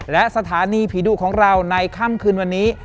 และสถานีผีดุของเราในค่ำคืนวันนี้